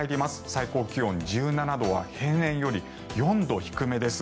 最高気温１７度は平年より４度低めです。